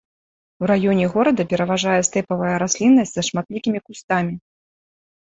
У раёне горада пераважае стэпавая расліннасць са шматлікімі кустамі.